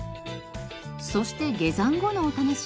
そして下山後のお楽しみ。